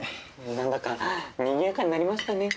何だかにぎやかになりましたね。